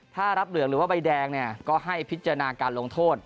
ถ้ารับเหลืองหรือว่าใบแดงเนี่ยก็ให้พิจารณาการลงโทษ